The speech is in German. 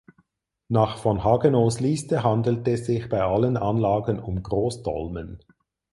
Nach von Hagenows Liste handelte es sich bei allen Anlagen um Großdolmen.